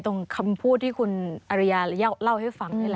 ตรงคำพูดที่คุณอริยาเล่าให้ฟัง